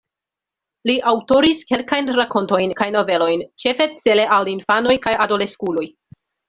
Li aŭtoris kelkajn rakontojn kaj novelojn, ĉefe cele al infanoj kaj adoleskuloj.